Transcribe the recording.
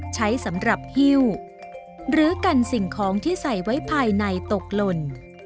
ใช้สำหรับหิ้วหรือกันสิ่งของที่ใส่ไว้ภายในตกหล่น